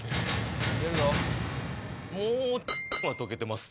もうは溶けてます。